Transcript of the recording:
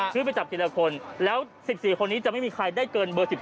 ไปจับทีละคนแล้ว๑๔คนนี้จะไม่มีใครได้เกินเบอร์๑๒